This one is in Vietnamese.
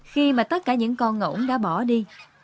khi mà tất cả những con ngỗng đã bỏ đi